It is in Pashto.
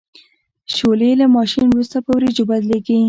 شولې له ماشین وروسته په وریجو بدلیږي.